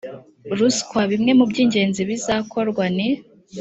ruswa bimwe mu by ingenzi bizakorwa ni